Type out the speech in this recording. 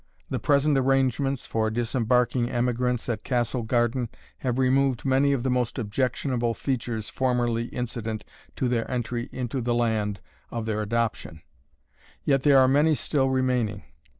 The present arrangements for disembarking emigrants at Castle Garden have removed many of the most objectionable features formerly incident to their entry into the land of their adoption, yet there are many still remaining.